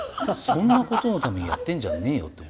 そんなことのためにやってんじゃねえよって。